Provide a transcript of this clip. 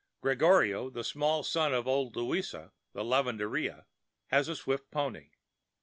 Gregorio, the small son of old Luisa, the lavendera, has a swift pony.